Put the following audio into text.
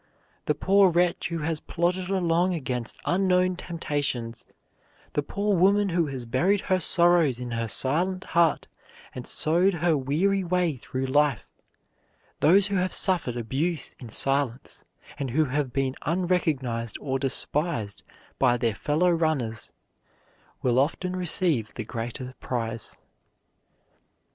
The poor wretch who has plodded along against unknown temptations, the poor woman who has buried her sorrows in her silent heart and sewed her weary way through life, those who have suffered abuse in silence, and who have been unrecognized or despised by their fellow runners, will often receive the greater prize.